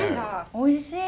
おいしい？